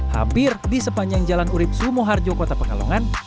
hampir di sepanjang jalan urib sumoharjo kota pekalongan